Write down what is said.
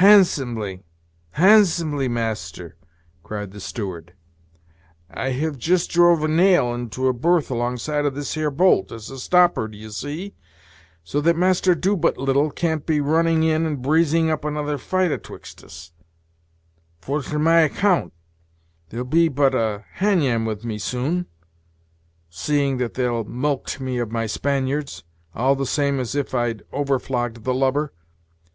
"Handsomely, handsomely, master," cried the steward: "I have just drove a nail into a berth alongside of this here bolt, as a stopper, d'ye see, so that Master Doo but little can't be running in and breezing up another fight atwixt us: for, to my account, there'll be but a han yan with me soon, seeing that they'll mulct me of my Spaniards, all the same as if I'd over flogged the lubber.